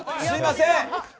すみません